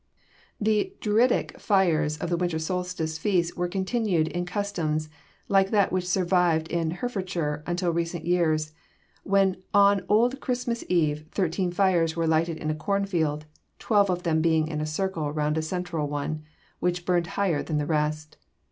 The Druidic fires of the winter solstice feast were continued in customs like that which survived in Herefordshire until recent years, when on old Christmas eve thirteen fires were lighted in a cornfield, twelve of them being in a circle round a central one which burned higher than the rest.